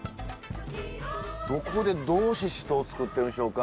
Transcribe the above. どこでどうししとうを作ってるんでしょうか。